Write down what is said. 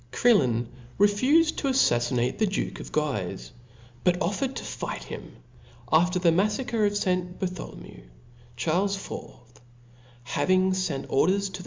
Crillon/refufed to aflaffinate the duke of Guife, but offered to fight him. After the maflacre of St. Bartholomew, Charles IX. having fent or ders to the.